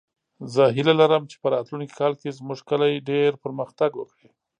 زه هیله لرم چې په راتلونکې کال کې زموږ کلی ډېر پرمختګ وکړي